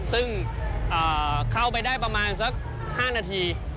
ซึ่งเข้าไปได้ประมาณสัก๕นาที